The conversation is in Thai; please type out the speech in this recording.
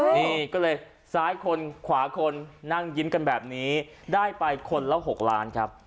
นี่ก็เลยซ้ายคนขวาคนนั่งยิ้มกันแบบนี้ได้ไปคนละ๖ล้านครับ